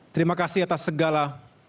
terima kasih atas segala